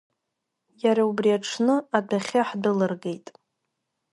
Иара убри аҽны адәахьы ҳдәылыргеит.